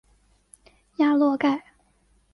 雅洛盖。